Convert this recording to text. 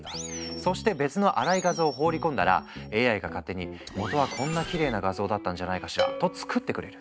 そして別の粗い画像を放り込んだらＡＩが勝手に「元はこんなきれいな画像だったんじゃないかしら」と作ってくれる。